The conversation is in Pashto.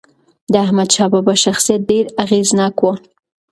د احمدشاه بابا شخصیت ډېر اغېزناک و.